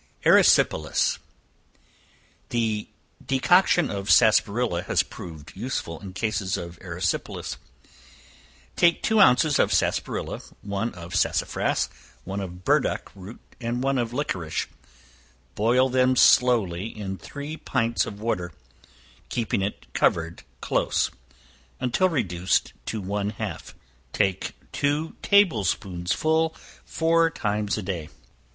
Erysipelas. The decoction of sarsaparilla has proved useful in cases of erysipelas. Take two ounces of sarsaparilla, one of sassafras, one of burdock root, and one of liquorice; boil them slowly in three pints of water, keeping it covered close, until reduced to one half. Take two table spoonsful four times a day.